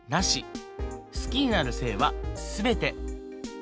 好きになる性は全て。